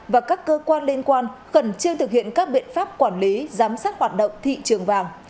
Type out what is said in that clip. và các cơ quan liên quan khẩn trương thực hiện các biện pháp quản lý giám sát hoạt động thị trường vàng